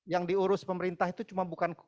yang diurus pemerintah itu cuma bukan